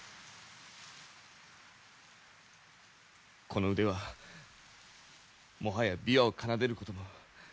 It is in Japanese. この腕はもはや琵琶を奏でることも。